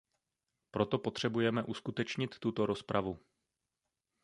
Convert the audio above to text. Proto potřebujeme uskutečnit tuto rozpravu.